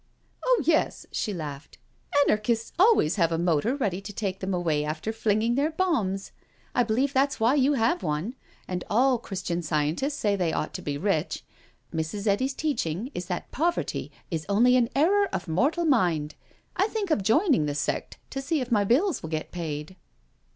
" Oh yes," she laughed. " Anarchists always have a motor ready to take them away after flinging their bombs. I believe that's why you have one — ^and all Christian Scientists say they ought to be rich. Mrs. Eddy's teaching is that poverty is only an error of mortal mind. I think of joining the sect to see if my bills wilj get paid."